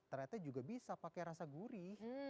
ternyata juga bisa pakai rasa gurih